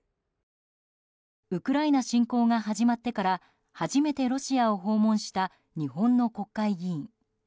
ウクライナ侵攻が始まってから初めてロシアを訪問した日本の国会議員。